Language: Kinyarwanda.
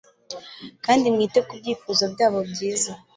kandi mwite ku Byifuzo byabo byiza